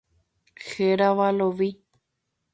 Hérava Lovi.